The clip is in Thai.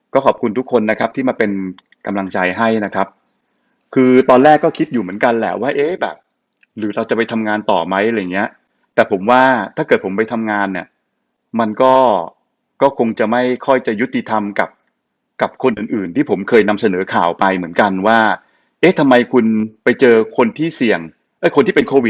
ก็ขอบคุณทุกคนนะครับที่มาเป็นกำลังใจให้นะครับคือตอนแรกก็คิดอยู่เหมือนกันแหละว่าเอ๊ะแบบหรือเราจะไปทำงานต่อไหมอะไรอย่างเงี้ยแต่ผมว่าถ้าเกิดผมไปทำงานเนี่ยมันก็ก็คงจะไม่ค่อยจะยุติธรรมกับกับคนอื่นอื่นที่ผมเคยนำเสนอข่าวไปเหมือนกันว่าเอ๊ะทำไมคุณไปเจอคนที่เสี่ยงเอ้ยคนที่เป็นโควิด